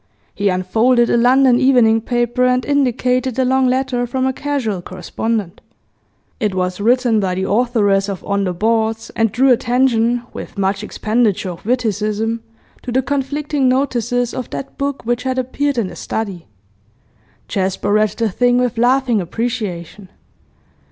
He unfolded a London evening paper, and indicated a long letter from a casual correspondent. It was written by the authoress of 'On the Boards,' and drew attention, with much expenditure of witticism, to the conflicting notices of that book which had appeared in The Study. Jasper read the thing with laughing appreciation.